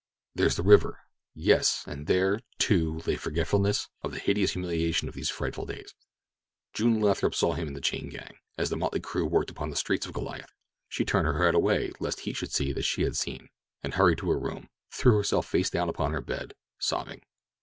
"There's the river!" Yes, and there, too, lay forgetfulness of the hideous humiliation of these frightful days. June Lathrop saw him in the chain gang, as the motley crew worked upon the streets of Goliath. She turned her head away lest he should see that she had seen, and hurrying to her room, threw herself face down upon the bed, sobbing.